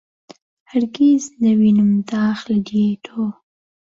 هەرگیز نەوینم داخ لە دییەی تۆ